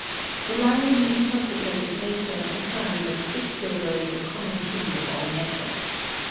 The lying interpreters of nature affirm that quicksilver is the common seed of all metals.